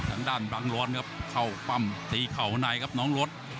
ทางด้านบังร้อนครับเข้าปั้มตีเข่าในครับน้องรถ